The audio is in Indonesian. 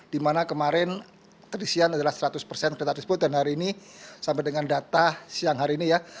dimana kemarin terisian adalah seratus persen kereta tersebut dan hari ini sampai dengan data siang hari ini ya